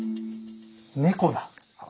猫だ。